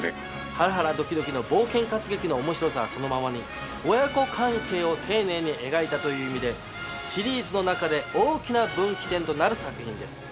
ハラハラドキドキの冒険活劇の面白さはそのままに親子関係を丁寧に描いたという意味でシリーズの中で大きな分岐点となる作品です。